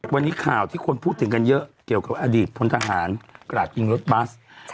วันนี้ข่าวที่คนพูดถึงกันเยอะเกี่ยวกับอดีตพลทหารกราดยิงรถบัส